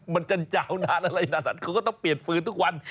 มันจะยาวนานอะไรขนาดนั้นเขาก็ต้องเปลี่ยนฟืนทุกวัน